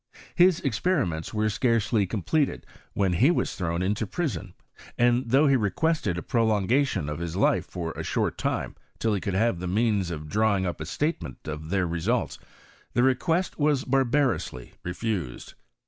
His experiments were scarcely completed when he was thrown into prison, and though he requested a prolongatioD of his life for a short time, till he could have the means of drawing up a statement of their results, the re quest was barbarously refused.